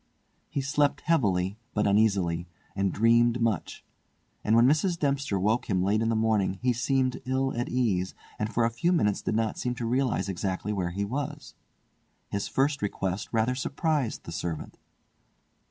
He slept heavily but uneasily, and dreamed much; and when Mrs. Dempster woke him late in the morning he seemed ill at ease, and for a few minutes did not seem to realise exactly where he was. His first request rather surprised the servant.